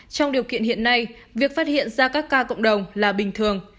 trong điều kiện hiện nay việc phát hiện ra các ca cộng đồng là bình thường